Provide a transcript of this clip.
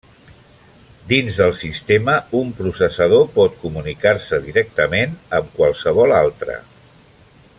Dins del sistema, un processador pot comunicar-se directament amb qualsevol altre.